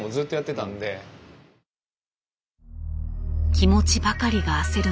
気持ちばかりが焦る